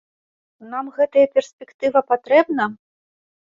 Нам гэтая перспектыва патрэбна?